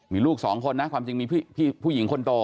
มีลูกสองคนนะความจริงมีผู้หญิงคนโต